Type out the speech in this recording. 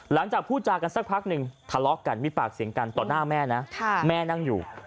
หลังจากพูดจากันสักพักหนึ่งทะเลาะกันมีปากเสียงกันต่อหน้าแม่นะแม่นั่งอยู่